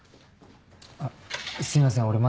あっすいません